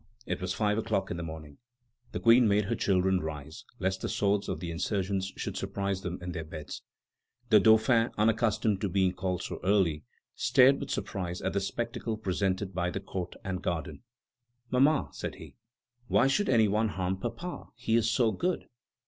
It was five o'clock in the morning. The Queen made her children rise, lest the swords of the insurgents should surprise them in their beds. The Dauphin, unaccustomed to being called so early, stared with surprise at the spectacle presented by the court and garden. "Mamma," said he, "why should any one harm papa? He is so good!"